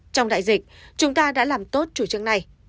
trong đại dịch chúng ta đã làm tốt chủ trương này